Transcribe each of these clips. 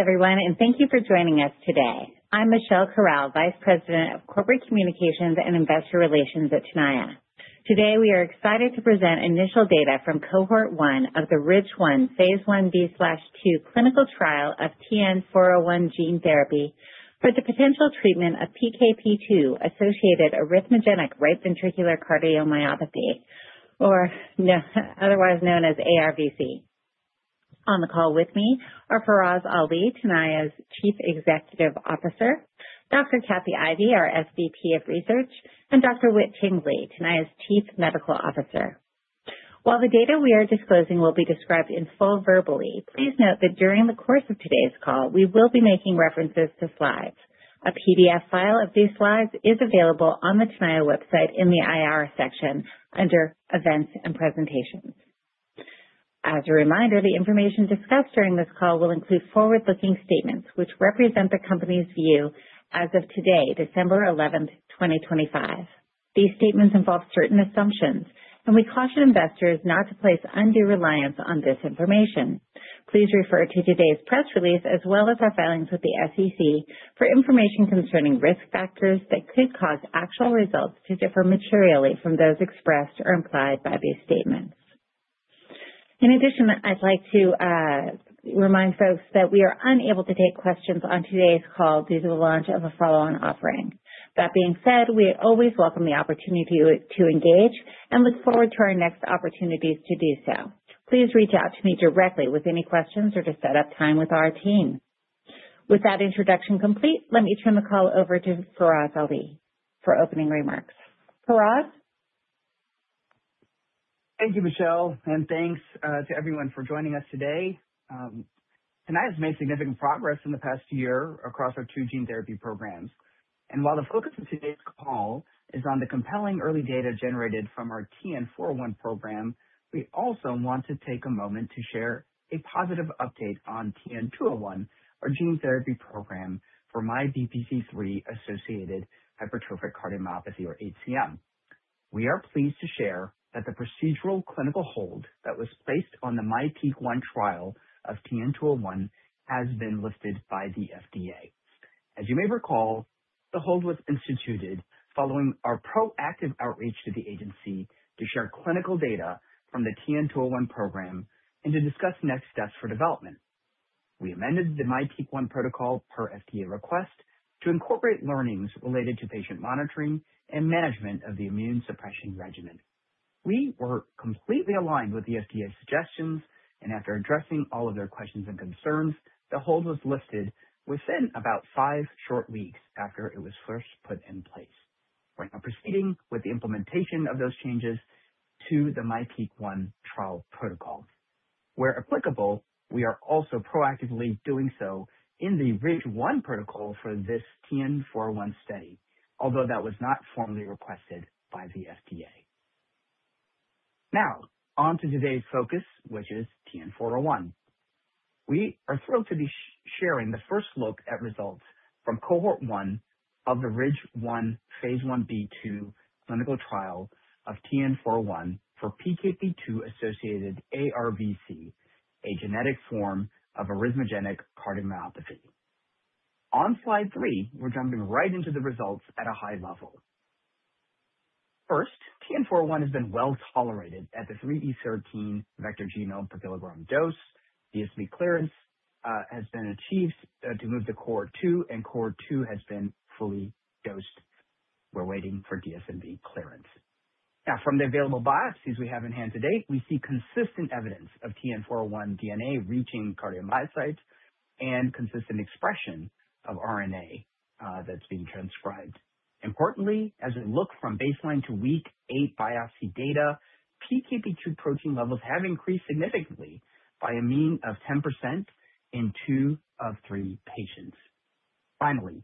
Hi everyone, and thank you for joining us today. I'm Michelle Corral, Vice President of Corporate Communications and Investor Relations at Tenaya. Today we are excited to present initial data from Cohort 1 of the RIDGE-1 Phase 1b/2 clinical trial of TN-401 gene therapy for the potential treatment of PKP2-associated arrhythmogenic right ventricular cardiomyopathy, or otherwise known as ARVC. On the call with me are Faraz Ali, Tenaya's Chief Executive Officer, Dr. Kathy Ivey, our SVP of Research, and Dr. Whit Tingley, Tenaya's Chief Medical Officer. While the data we are disclosing will be described in full verbally, please note that during the course of today's call we will be making references to slides. A PDF file of these slides is available on the Tenaya website in the IR section under Events and Presentations. As a reminder, the information discussed during this call will include forward-looking statements which represent the company's view as of today, December 11th, 2025. These statements involve certain assumptions, and we caution investors not to place undue reliance on this information. Please refer to today's press release as well as our filings with the SEC for information concerning risk factors that could cause actual results to differ materially from those expressed or implied by these statements. In addition, I'd like to remind folks that we are unable to take questions on today's call due to the launch of a follow-on offering. That being said, we always welcome the opportunity to engage and look forward to our next opportunities to do so. Please reach out to me directly with any questions or to set up time with our team. With that introduction complete, let me turn the call over to Faraz Ali for opening remarks. Faraz? Thank you, Michelle, and thanks to everyone for joining us today. Tenaya has made significant progress in the past year across our two gene therapy programs. And while the focus of today's call is on the compelling early data generated from our TN-401 program, we also want to take a moment to share a positive update on TN-201, our gene therapy program for MYBPC3-associated hypertrophic cardiomyopathy, or HCM. We are pleased to share that the procedural clinical hold that was placed on the MyPEAK-1 trial of TN-201 has been lifted by the FDA. As you may recall, the hold was instituted following our proactive outreach to the agency to share clinical data from the TN-201 program and to discuss next steps for development. We amended the MyPEAK-1 protocol per FDA request to incorporate learnings related to patient monitoring and management of the immune suppression regimen. We were completely aligned with the FDA's suggestions, and after addressing all of their questions and concerns, the hold was lifted within about five short weeks after it was first put in place. We're now proceeding with the implementation of those changes to the MyPEAK-1 trial protocol. Where applicable, we are also proactively doing so in the RIDGE-1 protocol for this TN-401 study, although that was not formally requested by the FDA. Now, on to today's focus, which is TN-401. We are thrilled to be sharing the first look at results from Cohort 1 of the RIDGE-1 Phase 1b/2 clinical trial of TN-401 for PKP2-associated ARVC, a genetic form of arrhythmogenic cardiomyopathy. On slide three, we're jumping right into the results at a high level. First, TN-401 has been well tolerated at the 3e13 vector genome per kilogram dose. DSMB clearance has been achieved to move to Cohort 2, and Cohort 2 has been fully dosed. We're waiting for DSMB clearance. Now, from the available biopsies we have in hand to date, we see consistent evidence of TN-401 DNA reaching cardiomyocytes and consistent expression of RNA that's being transcribed. Importantly, as we look from baseline to week eight biopsy data, PKP2 protein levels have increased significantly by a mean of 10% in two of three patients. Finally,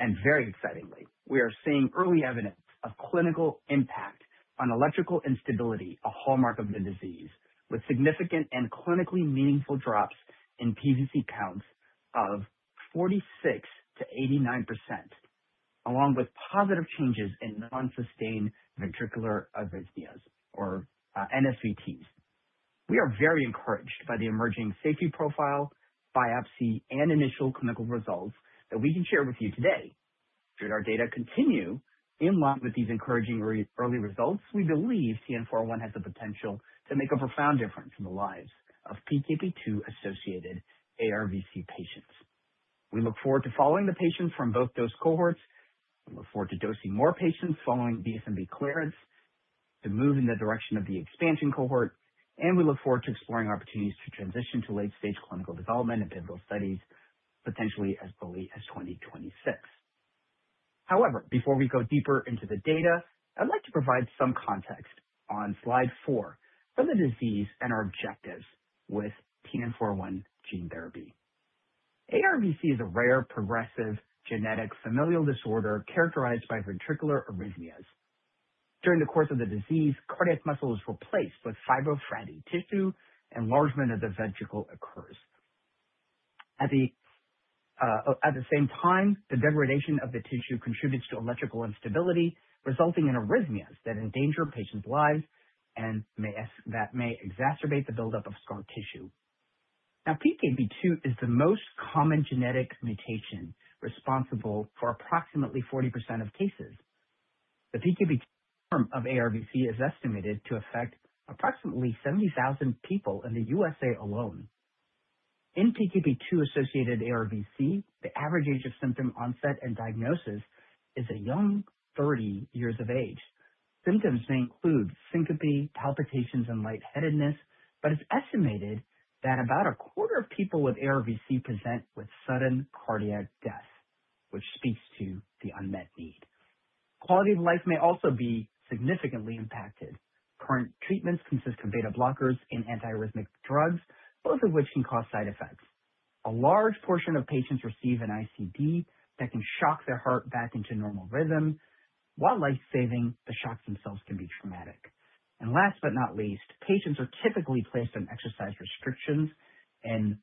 and very excitingly, we are seeing early evidence of clinical impact on electrical instability, a hallmark of the disease, with significant and clinically meaningful drops in PVC counts of 46%-89%, along with positive changes in non-sustained ventricular arrhythmias, or NSVTs. We are very encouraged by the emerging safety profile, biopsy, and initial clinical results that we can share with you today. Should our data continue in line with these encouraging early results, we believe TN-401 has the potential to make a profound difference in the lives of PKP2-associated ARVC patients. We look forward to following the patients from both those cohorts. We look forward to dosing more patients following DSMB clearance to move in the direction of the expansion cohort, and we look forward to exploring opportunities to transition to late-stage clinical development and pivotal studies potentially as early as 2026. However, before we go deeper into the data, I'd like to provide some context on slide four for the disease and our objectives with TN-401 gene therapy. ARVC is a rare progressive genetic familial disorder characterized by ventricular arrhythmias. During the course of the disease, cardiac muscle is replaced with fibrofatty tissue, and enlargement of the ventricle occurs. At the same time, the degradation of the tissue contributes to electrical instability, resulting in arrhythmias that endanger patients' lives and that may exacerbate the buildup of scar tissue. Now, PKP2 is the most common genetic mutation responsible for approximately 40% of cases. The PKP2 form of ARVC is estimated to affect approximately 70,000 people in the USA alone. In PKP2-associated ARVC, the average age of symptom onset and diagnosis is a young 30 years of age. Symptoms may include syncope, palpitations, and lightheadedness, but it's estimated that about a quarter of people with ARVC present with sudden cardiac death, which speaks to the unmet need. Quality of life may also be significantly impacted. Current treatments consist of beta-blockers and antiarrhythmic drugs, both of which can cause side effects. A large portion of patients receive an ICD that can shock their heart back into normal rhythm. While life-saving, the shocks themselves can be traumatic. Last but not least, patients are typically placed on exercise restrictions and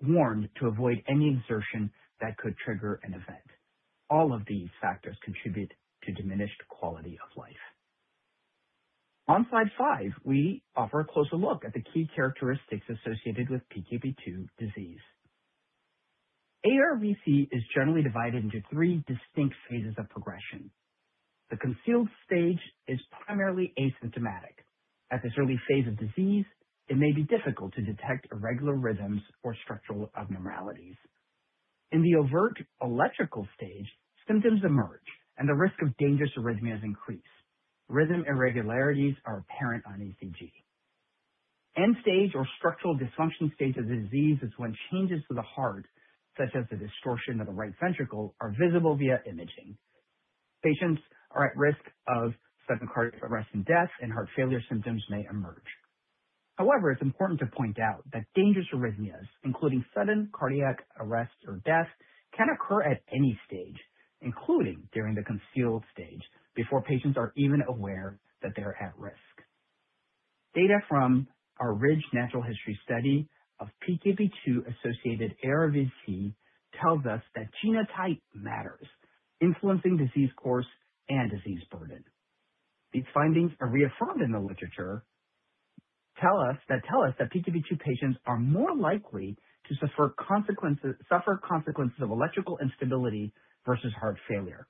warned to avoid any exertion that could trigger an event. All of these factors contribute to diminished quality of life. On slide five, we offer a closer look at the key characteristics associated with PKP2 disease. ARVC is generally divided into three distinct phases of progression. The concealed stage is primarily asymptomatic. At this early phase of disease, it may be difficult to detect irregular rhythms or structural abnormalities. In the overt electrical stage, symptoms emerge, and the risk of dangerous arrhythmias increase. Rhythm irregularities are apparent on ECG. End-stage or structural dysfunction stage of the disease is when changes to the heart, such as the distortion of the right ventricle, are visible via imaging. Patients are at risk of sudden cardiac arrest and death, and heart failure symptoms may emerge. However, it's important to point out that dangerous arrhythmias, including sudden cardiac arrest or death, can occur at any stage, including during the concealed stage, before patients are even aware that they're at risk. Data from our RIDGE natural history study of PKP2-associated ARVC tells us that genotype matters, influencing disease course and disease burden. These findings are reaffirmed in the literature that tell us that PKP2 patients are more likely to suffer consequences of electrical instability versus heart failure.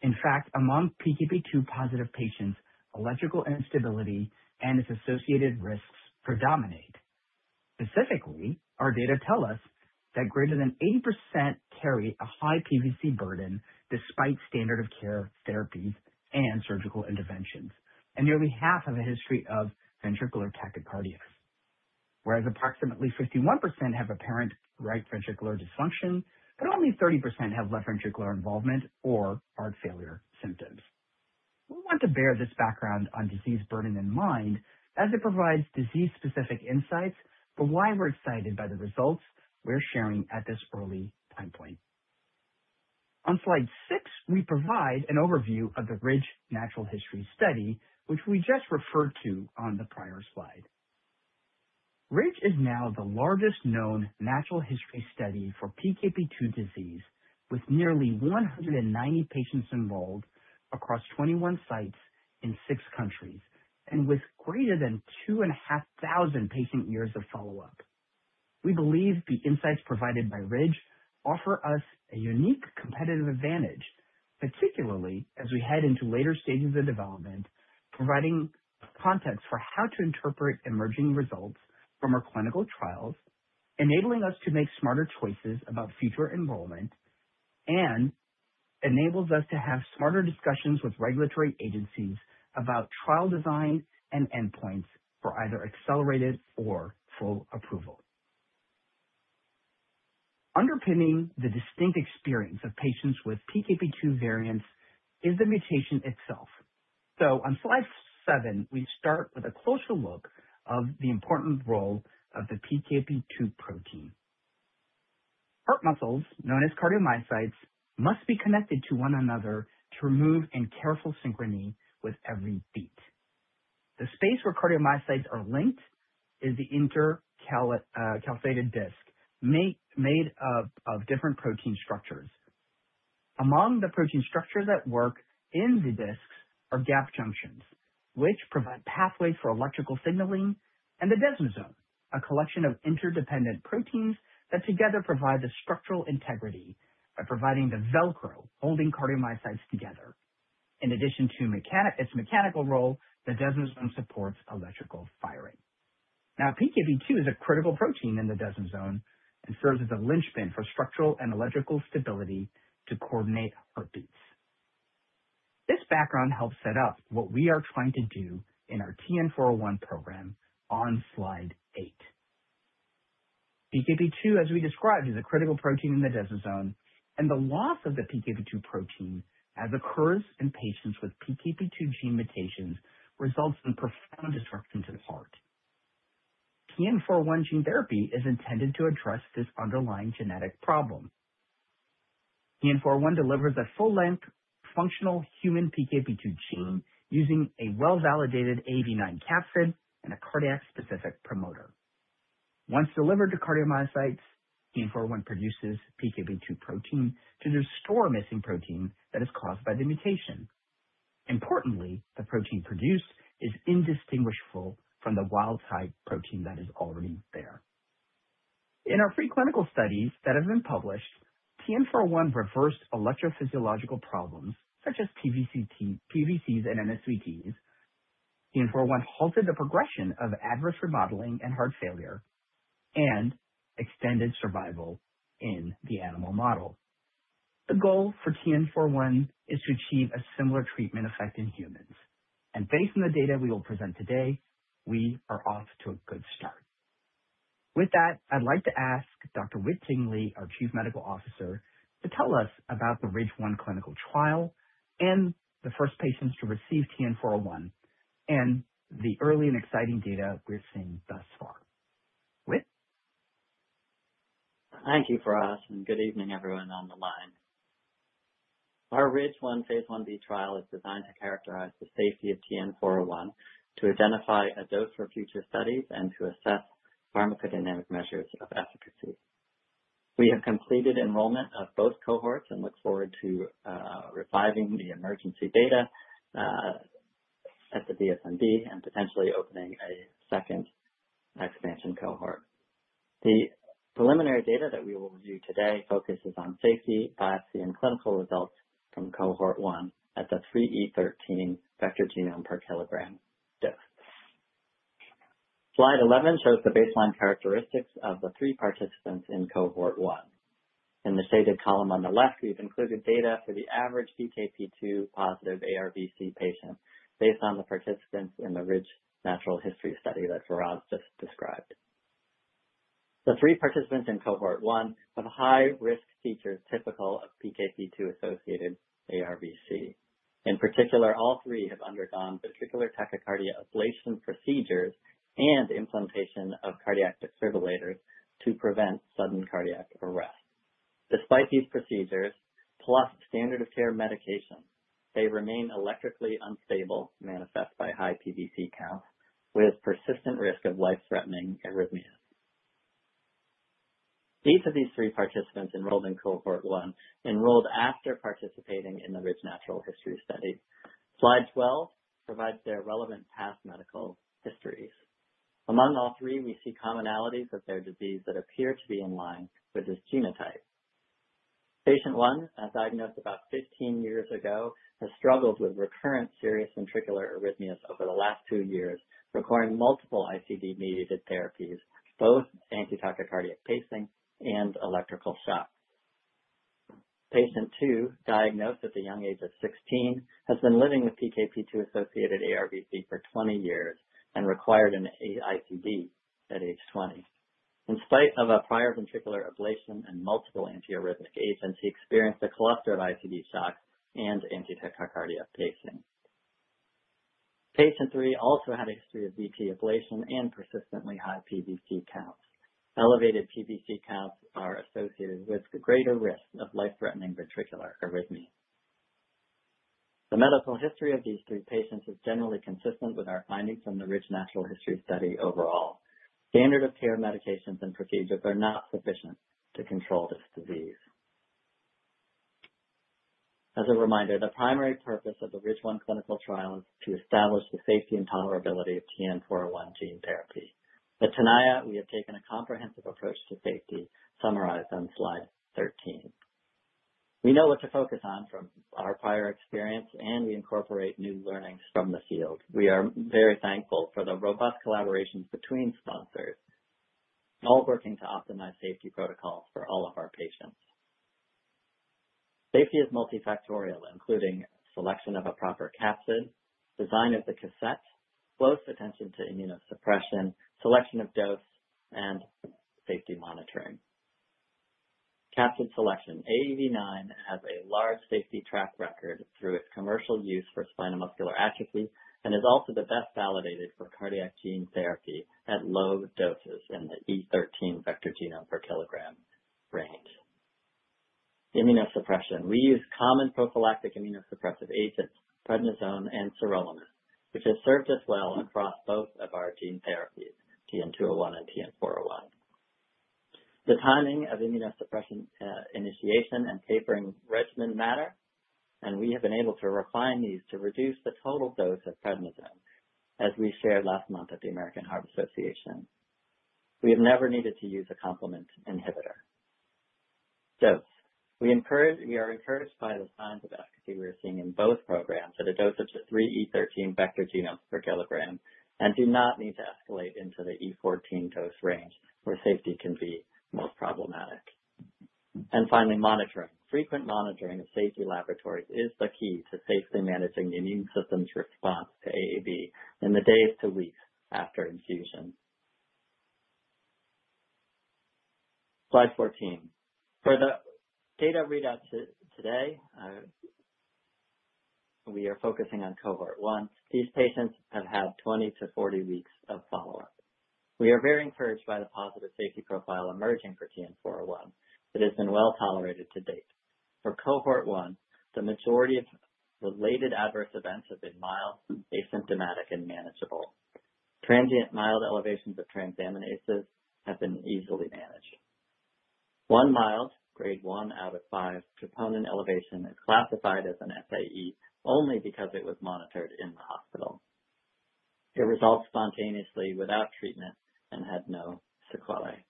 In fact, among PKP2-positive patients, electrical instability and its associated risks predominate. Specifically, our data tell us that greater than 80% carry a high PVC burden despite standard of care therapies and surgical interventions, and nearly half have a history of ventricular tachycardias, whereas approximately 51% have apparent right ventricular dysfunction, but only 30% have left ventricular involvement or heart failure symptoms. We want to bear this background on disease burden in mind as it provides disease-specific insights for why we're excited by the results we're sharing at this early time point. On slide six, we provide an overview of the RIDGE natural history study, which we just referred to on the prior slide. RIDGE is now the largest known natural history study for PKP2 disease, with nearly 190 patients enrolled across 21 sites in six countries and with greater than 2,500 patient years of follow-up. We believe the insights provided by RIDGE offer us a unique competitive advantage, particularly as we head into later stages of development, providing context for how to interpret emerging results from our clinical trials, enabling us to make smarter choices about future enrollment, and enables us to have smarter discussions with regulatory agencies about trial design and endpoints for either accelerated or full approval. Underpinning the distinct experience of patients with PKP2 variants is the mutation itself. So on slide seven, we start with a closer look at the important role of the PKP2 protein. Heart muscles, known as cardiomyocytes, must be connected to one another to move in careful synchrony with every beat. The space where cardiomyocytes are linked is the intercalated disc made of different protein structures. Among the protein structures that work in the discs are gap junctions, which provide pathways for electrical signaling, and the desmosome, a collection of interdependent proteins that together provide the structural integrity by providing the velcro holding cardiomyocytes together. In addition to its mechanical role, the desmosome supports electrical firing. Now, PKP2 is a critical protein in the desmosome and serves as a linchpin for structural and electrical stability to coordinate heartbeats. This background helps set up what we are trying to do in our TN-401 program on slide eight. PKP2, as we described, is a critical protein in the desmosome, and the loss of the PKP2 protein as occurs in patients with PKP2 gene mutations results in profound destruction to the heart. TN-401 gene therapy is intended to address this underlying genetic problem. TN-401 delivers a full-length functional human PKP2 gene using a well-validated AAV9 capsid and a cardiac-specific promoter. Once delivered to cardiomyocytes, TN-401 produces PKP2 protein to restore missing protein that is caused by the mutation. Importantly, the protein produced is indistinguishable from the wild-type protein that is already there. In our three clinical studies that have been published, TN-401 reversed electrophysiological problems such as PVCs and NSVTs. TN-401 halted the progression of adverse remodeling and heart failure and extended survival in the animal model. The goal for TN-401 is to achieve a similar treatment effect in humans, and based on the data we will present today, we are off to a good start. With that, I'd like to ask Dr. Whit Tingley, our Chief Medical Officer, to tell us about the RIDGE-1 clinical trial and the first patients to receive TN-401 and the early and exciting data we're seeing thus far. Whit? Thank you, Faraz, and good evening, everyone on the line. Our RIDGE-1 Phase 1b/2 trial is designed to characterize the safety of TN-401, to identify a dose for future studies, and to assess pharmacodynamic measures of efficacy. We have completed enrollment of both cohorts and look forward to reviving the emergency data at the DSMB and potentially opening a second expansion cohort. The preliminary data that we will review today focuses on safety, biopsy, and clinical results from Cohort 1 at the 3e13 vector genome per kilogram dose. Slide 11 shows the baseline characteristics of the three participants in Cohort 1. In the shaded column on the left, we've included data for the average PKP2-positive ARVC patient based on the participants in the RIDGE natural history study that Faraz just described. The three participants in Cohort 1 have high-risk features typical of PKP2-associated ARVC. In particular, all three have undergone ventricular tachycardia ablation procedures and implantation of cardiac defibrillators to prevent sudden cardiac arrest. Despite these procedures, plus standard of care medication, they remain electrically unstable, manifest by high PVC count, with persistent risk of life-threatening arrhythmias. Each of these three participants enrolled in Cohort 1 after participating in the RIDGE natural history study. Slide 12 provides their relevant past medical histories. Among all three, we see commonalities of their disease that appear to be in line with this genotype. Patient one, diagnosed about 15 years ago, has struggled with recurrent serious ventricular arrhythmias over the last two years, requiring multiple ICD-mediated therapies, both anti-tachycardia pacing and electrical shock. Patient two, diagnosed at the young age of 16, has been living with PKP2-associated ARVC for 20 years and required an AICD at age 20. In spite of a prior ventricular ablation and multiple antiarrhythmic agents, he experienced a cluster of ICD shocks and anti-tachycardia pacing. Patient three also had a history of VT ablation and persistently high PVC counts. Elevated PVC counts are associated with the greater risk of life-threatening ventricular arrhythmia. The medical history of these three patients is generally consistent with our findings from the RIDGE natural history study overall. Standard of care medications and procedures are not sufficient to control this disease. As a reminder, the primary purpose of the RIDGE-1 clinical trial is to establish the safety and tolerability of TN-401 gene therapy. At Tenaya, we have taken a comprehensive approach to safety, summarized on slide 13. We know what to focus on from our prior experience, and we incorporate new learnings from the field. We are very thankful for the robust collaborations between sponsors, all working to optimize safety protocols for all of our patients. Safety is multifactorial, including selection of a proper capsid, design of the cassette, close attention to immunosuppression, selection of dose, and safety monitoring. Capsid selection, AAV9, has a large safety track record through its commercial use for spinal muscular atrophy and is also the best validated for cardiac gene therapy at low doses in the 3e13 vector genome per kilogram range. Immunosuppression, we use common prophylactic immunosuppressive agents, prednisone and sirolimus, which have served us well across both of our gene therapies, TN-201 and TN-401. The timing of immunosuppression initiation and tapering regimen matters, and we have been able to refine these to reduce the total dose of prednisone, as we shared last month at the American Heart Association. We have never needed to use a complement inhibitor. Dose, we are encouraged by the signs of efficacy we are seeing in both programs at a dose of the 3e13 vector genome per kilogram and do not need to escalate into the E14 dose range where safety can be more problematic, and finally, monitoring, frequent monitoring of safety laboratories is the key to safely managing the immune system's response to AAV in the days to weeks after infusion. Slide 14. For the data readout today, we are focusing on Cohort 1. These patients have had 20-40 weeks of follow-up. We are very encouraged by the positive safety profile emerging for TN-401 that has been well tolerated to date. For Cohort 1, the majority of related adverse events have been mild, asymptomatic, and manageable. Transient mild elevations of transaminases have been easily managed. One mild, Grade 1 out of 5 troponin elevation is classified as an SAE only because it was monitored in the hospital. It resolved spontaneously without treatment and had no sequelae.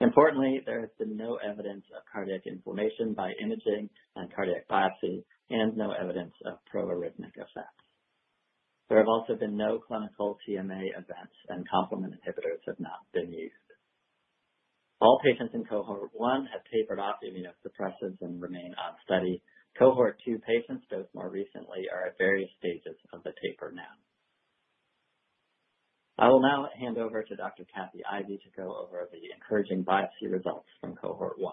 Importantly, there has been no evidence of cardiac inflammation by imaging and cardiac biopsy and no evidence of proarrhythmic effects. There have also been no clinical TMA events, and complement inhibitors have not been used. All patients in Cohort 1 have tapered off immunosuppressants and remain on study. Cohort 2 patients, dosed more recently, are at various stages of the taper now. I will now hand over to Dr. Kathy Ivey to go over the encouraging biopsy results from Cohort 1.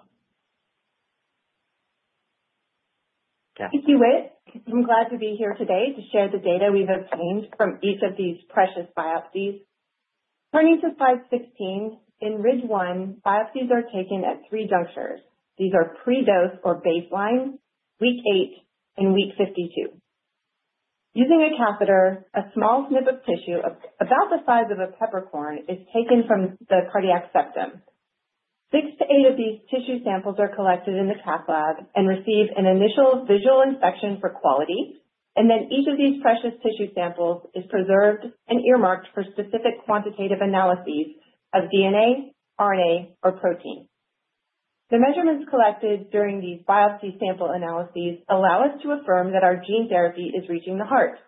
Thank you, Whit. I'm glad to be here today to share the data we've obtained from each of these precious biopsies. Turning to slide 16, in RIDGE-1, biopsies are taken at three junctures. These are pre-dose or baseline, week eight, and week 52. Using a catheter, a small snip of tissue about the size of a peppercorn is taken from the cardiac septum. Six to eight of these tissue samples are collected in the cath lab and receive an initial visual inspection for quality, and then each of these precious tissue samples is preserved and earmarked for specific quantitative analyses of DNA, RNA, or protein. The measurements collected during these biopsy sample analyses allow us to affirm that our gene therapy is reaching the heart,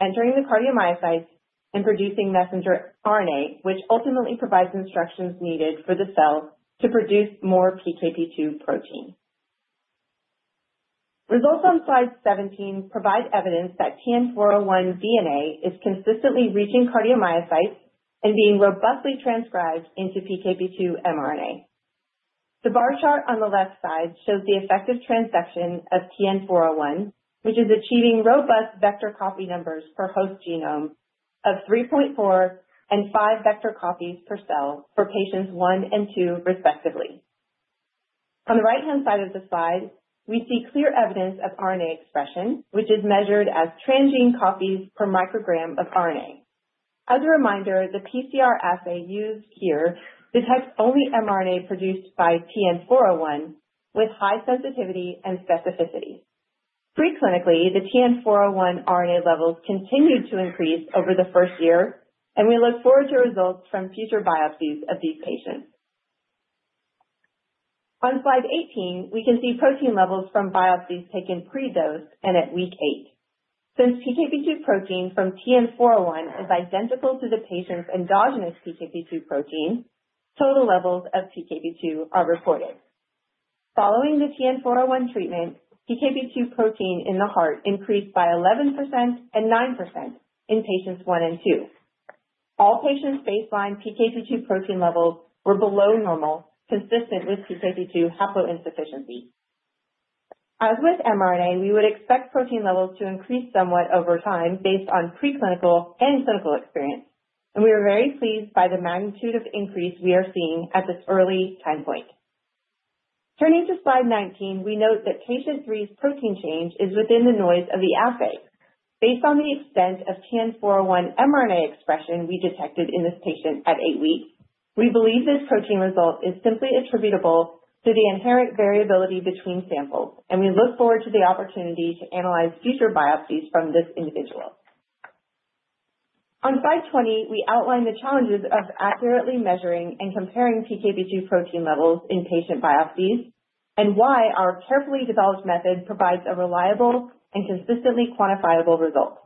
entering the cardiomyocytes and producing messenger RNA, which ultimately provides instructions needed for the cell to produce more PKP2 protein. Results on slide 17 provide evidence that TN-401 DNA is consistently reaching cardiomyocytes and being robustly transcribed into PKP2 mRNA. The bar chart on the left side shows the effective transduction of TN-401, which is achieving robust vector copy numbers per host genome of 3.4 and five vector copies per cell for patients one and two, respectively. On the right-hand side of the slide, we see clear evidence of RNA expression, which is measured as transcript copies per microgram of RNA. As a reminder, the PCR assay used here detects only mRNA produced by TN-401 with high sensitivity and specificity. Preclinically, the TN-401 RNA levels continued to increase over the first year, and we look forward to results from future biopsies of these patients. On slide 18, we can see protein levels from biopsies taken pre-dose and at week eight. Since PKP2 protein from TN-401 is identical to the patient's endogenous PKP2 protein, total levels of PKP2 are reported. Following the TN-401 treatment, PKP2 protein in the heart increased by 11% and 9% in patients one and two. All patients' baseline PKP2 protein levels were below normal, consistent with PKP2 haploinsufficiency. As with mRNA, we would expect protein levels to increase somewhat over time based on pre-clinical and clinical experience, and we are very pleased by the magnitude of increase we are seeing at this early time point. Turning to slide 19, we note that patient three's protein change is within the noise of the assay. Based on the extent of TN-401 mRNA expression we detected in this patient at eight weeks, we believe this protein result is simply attributable to the inherent variability between samples, and we look forward to the opportunity to analyze future biopsies from this individual. On slide 20, we outline the challenges of accurately measuring and comparing PKP2 protein levels in patient biopsies and why our carefully developed method provides a reliable and consistently quantifiable result.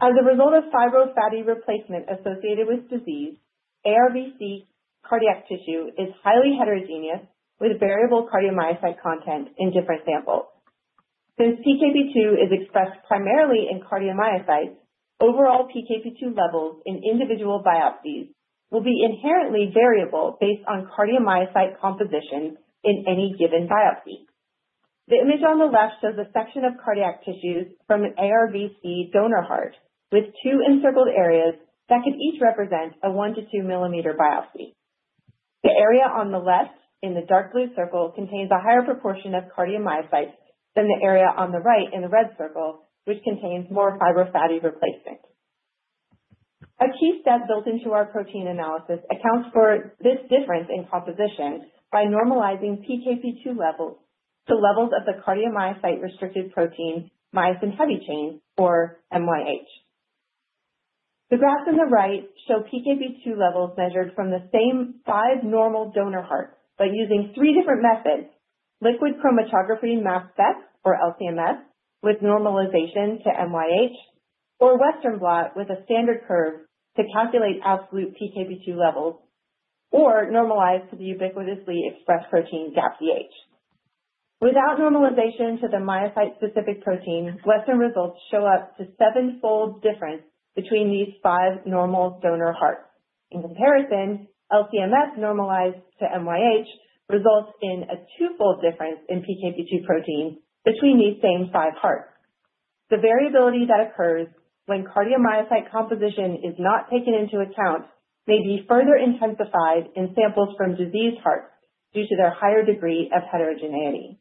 As a result of fibro-fatty replacement associated with disease, ARVC cardiac tissue is highly heterogeneous with variable cardiomyocyte content in different samples. Since PKP2 is expressed primarily in cardiomyocytes, overall PKP2 levels in individual biopsies will be inherently variable based on cardiomyocyte composition in any given biopsy. The image on the left shows a section of cardiac tissues from an ARVC donor heart with two encircled areas that could each represent a 1-2 millimeter biopsy. The area on the left in the dark blue circle contains a higher proportion of cardiomyocytes than the area on the right in the red circle, which contains more fibro-fatty replacement. A key step built into our protein analysis accounts for this difference in composition by normalizing PKP2 levels to levels of the cardiomyocyte-restricted protein, myosin heavy chain, or MYH. The graph on the right shows PKP2 levels measured from the same five normal donor hearts, but using three different methods: liquid chromatography mass spec, or LCMS, with normalization to MYH, or Western blot with a standard curve to calculate absolute PKP2 levels, or normalized to the ubiquitously expressed protein, GAPDH. Without normalization to the myocyte-specific protein, Western results show up to seven-fold difference between these five normal donor hearts. In comparison, LCMS normalized to MYH results in a twofold difference in PKP2 protein between these same five hearts. The variability that occurs when cardiomyocyte composition is not taken into account may be further intensified in samples from diseased hearts due to their higher degree of heterogeneity.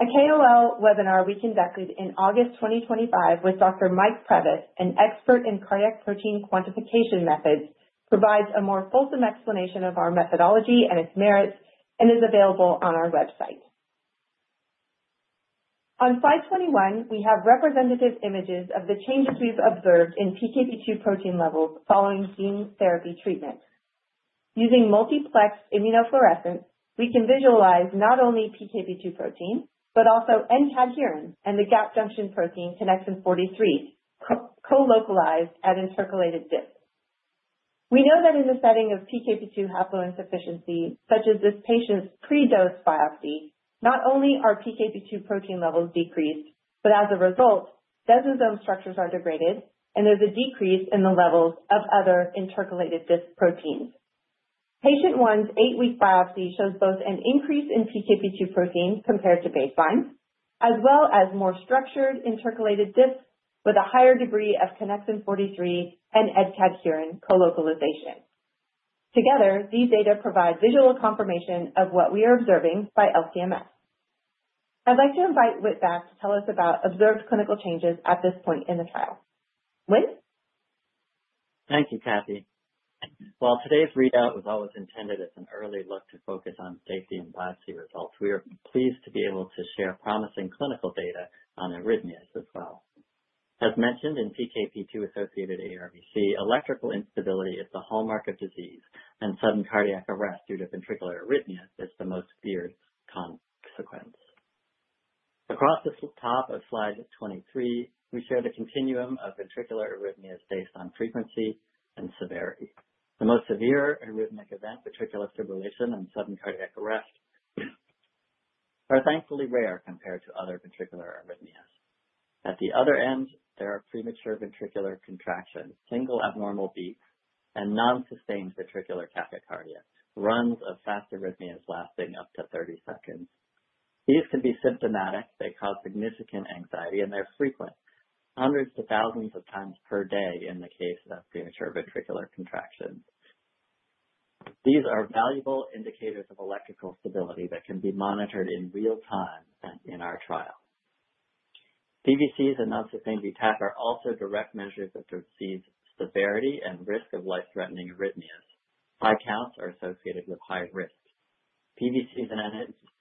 A KOL webinar we conducted in August 2025 with Dr. Mike Previs, an expert in cardiac protein quantification methods, provides a more fulsome explanation of our methodology and its merits and is available on our website. On slide 21, we have representative images of the changes we've observed in PKP2 protein levels following gene therapy treatment. Using multiplexed immunofluorescence, we can visualize not only PKP2 protein, but also N-cadherin and the gap junction protein connexin 43, co-localized at intercalated disc. We know that in the setting of PKP2 haploinsufficiency, such as this patient's pre-dose biopsy, not only are PKP2 protein levels decreased, but as a result, desmosome structures are degraded, and there's a decrease in the levels of other intercalated disc proteins. Patient one's eight-week biopsy shows both an increase in PKP2 protein compared to baseline, as well as more structured intercalated discs with a higher degree of connexin 43 and N-cadherin and co-localization. Together, these data provide visual confirmation of what we are observing by LCMS. I'd like to invite Whit back to tell us about observed clinical changes at this point in the trial. Whit? Thank you, Kathy. While today's readout was always intended as an early look to focus on safety and biopsy results, we are pleased to be able to share promising clinical data on arrhythmias as well. As mentioned in PKP2-associated ARVC, electrical instability is the hallmark of disease, and sudden cardiac arrest due to ventricular arrhythmias is the most feared consequence. Across the top of slide 23, we share the continuum of ventricular arrhythmias based on frequency and severity. The most severe arrhythmic event, ventricular fibrillation and sudden cardiac arrest, are thankfully rare compared to other ventricular arrhythmias. At the other end, there are premature ventricular contractions, single abnormal beats, and non-sustained ventricular tachycardia, runs of fast arrhythmias lasting up to 30 seconds. These can be symptomatic. They cause significant anxiety, and they're frequent, hundreds to thousands of times per day in the case of premature ventricular contractions. These are valuable indicators of electrical stability that can be monitored in real time in our trial. PVCs and non-sustained VT are also direct measures of disease severity and risk of life-threatening arrhythmias. High counts are associated with high risk. PVCs and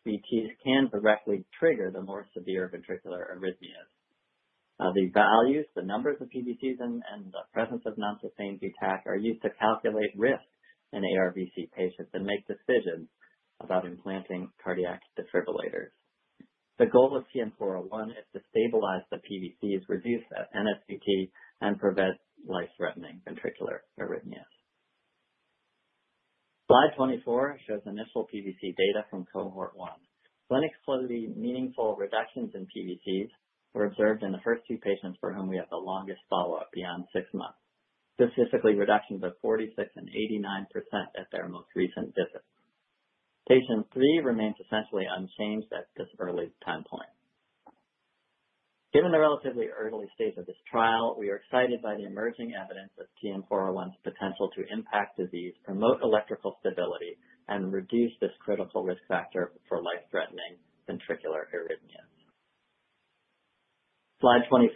NSVTs can directly trigger the more severe ventricular arrhythmias. The values, the numbers of PVCs and the presence of non-sustained VT are used to calculate risk in ARVC patients and make decisions about implanting cardiac defibrillators. The goal of TN-401 is to stabilize the PVCs, reduce NSVT, and prevent life-threatening ventricular arrhythmias. Slide 24 shows initial PVC data from Cohort 1. Clinically meaningful reductions in PVCs were observed in the first two patients for whom we have the longest follow-up beyond six months, specifically reductions of 46% and 89% at their most recent visit. Patient three remains essentially unchanged at this early time point. Given the relatively early stage of this trial, we are excited by the emerging evidence of TN-401's potential to impact disease, promote electrical stability, and reduce this critical risk factor for life-threatening ventricular arrhythmias. Slide 25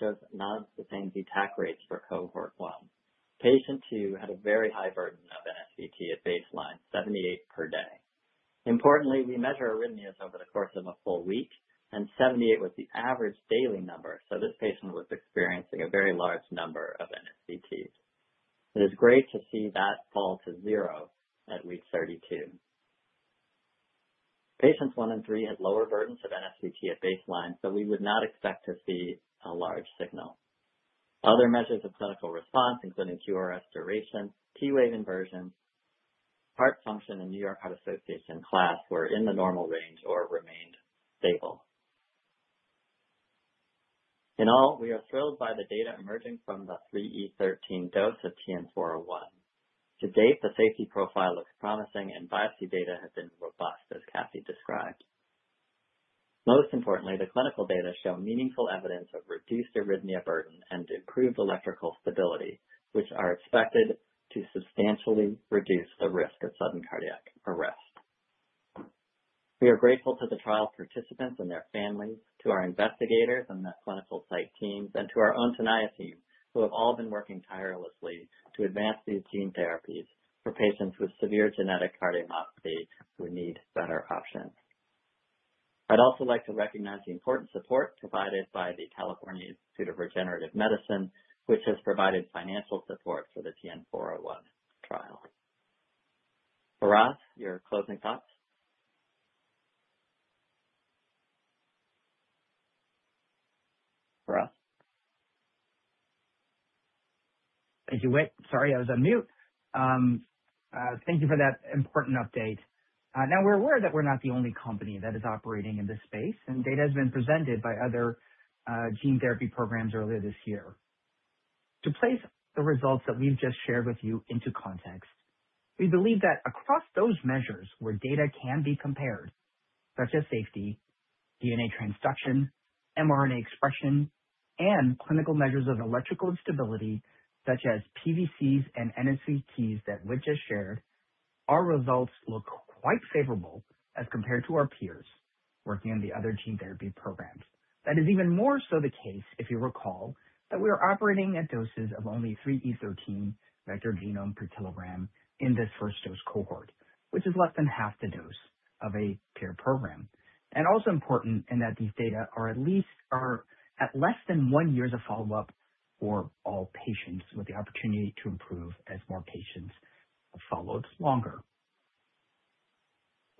shows NSVT rates for Cohort 1. Patient two had a very high burden of NSVT at baseline, 78 per day. Importantly, we measure arrhythmias over the course of a full week, and 78 was the average daily number, so this patient was experiencing a very large number of NSVTs. It is great to see that fall to zero at week 32. Patients one and three had lower burdens of NSVT at baseline, so we would not expect to see a large signal. Other measures of clinical response, including QRS duration, T-wave inversion, heart function, and New York Heart Association class, were in the normal range or remained stable. In all, we are thrilled by the data emerging from the 3e13 dose of TN-401. To date, the safety profile looks promising, and biopsy data has been robust, as Kathy described. Most importantly, the clinical data show meaningful evidence of reduced arrhythmia burden and improved electrical stability, which are expected to substantially reduce the risk of sudden cardiac arrest. We are grateful to the trial participants and their families, to our investigators and the clinical site teams, and to our own Tenaya team, who have all been working tirelessly to advance these gene therapies for patients with severe genetic cardiomyopathy who need better options. I'd also like to recognize the important support provided by the California Institute for Regenerative Medicine, which has provided financial support for the TN-401 trial. Faraz, your closing thoughts? Thank you, Whit. Sorry, I was on mute. Thank you for that important update. Now, we're aware that we're not the only company that is operating in this space, and data has been presented by other gene therapy programs earlier this year. To place the results that we've just shared with you into context, we believe that across those measures where data can be compared, such as safety, DNA transduction, mRNA expression, and clinical measures of electrical instability, such as PVCs and NSVTs that Whit just shared, our results look quite favorable as compared to our peers working in the other gene therapy programs. That is even more so the case if you recall that we are operating at doses of only 3e13 vector genome per kilogram in this first dose cohort, which is less than half the dose of a peer program. Also important in that these data are at least at less than one year's follow-up for all patients with the opportunity to improve as more patients followed longer.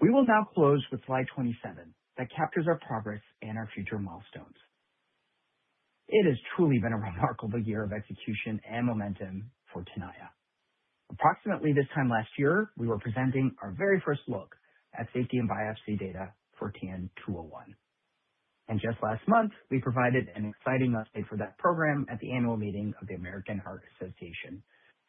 We will now close with slide 27 that captures our progress and our future milestones. It has truly been a remarkable year of execution and momentum for Tenaya. Approximately this time last year, we were presenting our very first look at safety and biopsy data for TN-201. And just last month, we provided an exciting update for that program at the annual meeting of the American Heart Association,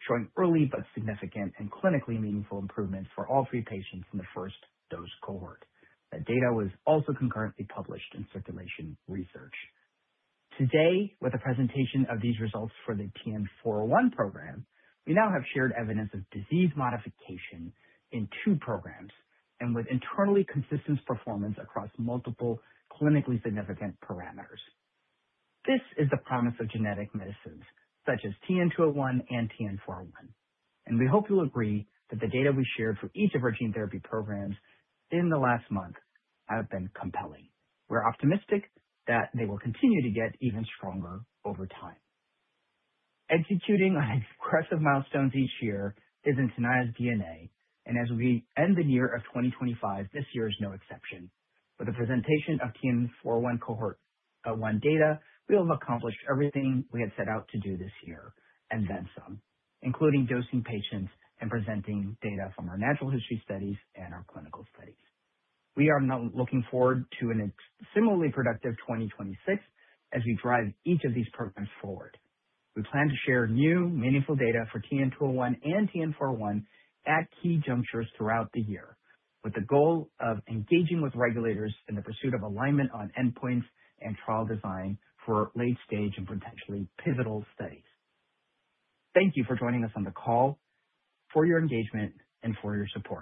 showing early but significant and clinically meaningful improvements for all three patients in the first dose cohort. That data was also concurrently published in Circulation Research. Today, with the presentation of these results for the TN-401 program, we now have shared evidence of disease modification in two programs and with internally consistent performance across multiple clinically significant parameters. This is the promise of genetic medicines such as TN-201 and TN-401, and we hope you'll agree that the data we shared for each of our gene therapy programs in the last month have been compelling. We're optimistic that they will continue to get even stronger over time. Executing on expressive milestones each year is in Tenaya's DNA, and as we end the year of 2025, this year is no exception. With the presentation of TN-401 Cohort 1 data, we will have accomplished everything we had set out to do this year and then some, including dosing patients and presenting data from our natural history studies and our clinical studies. We are now looking forward to a similarly productive 2026 as we drive each of these programs forward. We plan to share new meaningful data for TN-201 and TN-401 at key junctures throughout the year, with the goal of engaging with regulators in the pursuit of alignment on endpoints and trial design for late-stage and potentially pivotal studies. Thank you for joining us on the call, for your engagement, and for your support.